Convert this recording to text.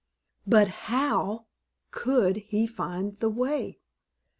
But how could he find the way?